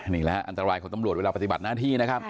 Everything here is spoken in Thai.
นี่แหละอันตรายของตำรวจเวลาปฏิบัติหน้าที่นะครับ